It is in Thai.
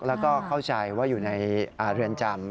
แล้วก็เข้าใจว่าอยู่ในเรือนจำ